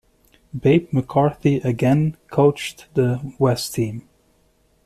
Babe McCarthy again coached the West team.